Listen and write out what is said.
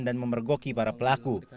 dan memergoki para pelaku